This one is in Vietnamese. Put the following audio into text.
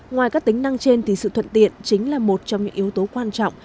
ngoài các tính năng trên thì sự thuận tiện chính là một trong những yếu tố quan trọng